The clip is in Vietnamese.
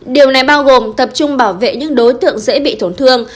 điều này bao gồm tập trung bảo vệ những đối tượng dễ bị tổn thương